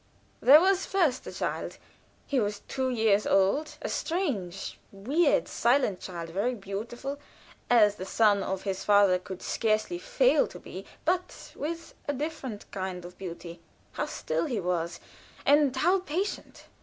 There was first the child. He was two years old; a strange, weird, silent child, very beautiful as the son of his father could scarcely fail to be but with a different kind of beauty. How still he was, and how patient!